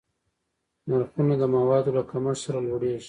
نرخونه د موادو له کمښت سره لوړېږي.